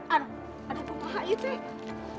aduh ada kumaha itu deh